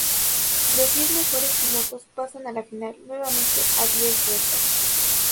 Los diez mejores pilotos pasan a la final, nuevamente a diez vueltas.